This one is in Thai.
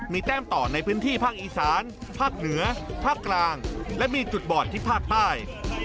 มีแต้มต่อในพื้นที่ภาคอีสานภาคเหนือภาคกลางและมีจุดบ่อนที่ภาคใต้